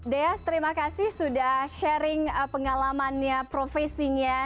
dea terima kasih sudah sharing pengalamannya profesinya